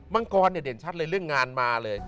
มังกรเนี่ยเด่นชัดเลยเรื่องงานมาเลย